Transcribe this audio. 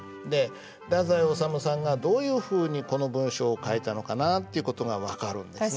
太宰治さんがどういうふうにこの文章を書いたのかなっていう事が分かるんですね。